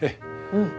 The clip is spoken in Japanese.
うん。